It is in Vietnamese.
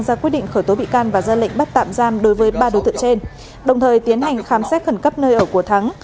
ra quyết định khởi tố bị can và ra lệnh bắt tạm giam đối với ba đối tượng trên đồng thời tiến hành khám xét khẩn cấp nơi ở của thắng